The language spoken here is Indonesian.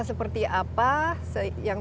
seperti apa yang